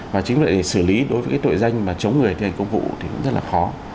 và chính vậy thì xử lý đối với cái tội danh mà chống người thi hành công vụ thì cũng rất là khó